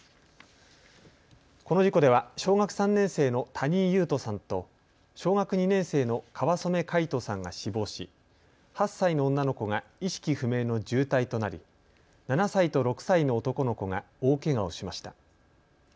この事故では小学３年生の谷井勇斗さんと小学２年生の川染凱仁さんが死亡し、８歳の女の子が意識不明の重体となり７歳と６歳の男の子が大けがをしました。